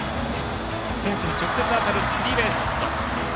フェンスに直接当たるスリーベースヒット。